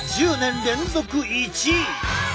１０年連続１位！